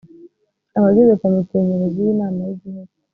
abagize komite nyobozi y inama y igihugu